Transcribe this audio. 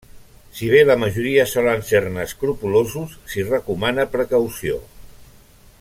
Si bé la majoria solen ser-ne escrupolosos, s'hi recomana precaució.